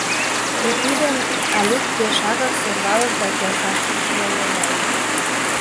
Епи ден Алик пешакак сӧрвалышт да келшашыже логале.